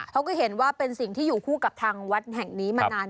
เขาก็เห็นว่าเป็นสิ่งที่อยู่คู่กับทางวัดแห่งนี้มานาน